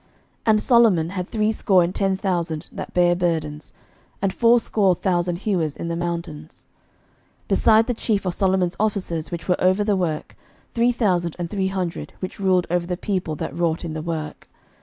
11:005:015 And Solomon had threescore and ten thousand that bare burdens, and fourscore thousand hewers in the mountains; 11:005:016 Beside the chief of Solomon's officers which were over the work, three thousand and three hundred, which ruled over the people that wrought in the work.